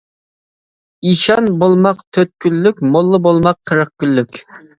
ئىشان بۇلماق تۆت كۈنلۈك، موللا بولماق قىرىق كۈنلۈك.